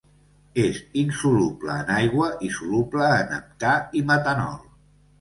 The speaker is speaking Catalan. És insoluble en aigua i soluble en heptà i metanol.